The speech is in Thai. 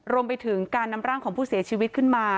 รวมไปถึงการนำร่างของผู้เสียชีวิตขึ้นมา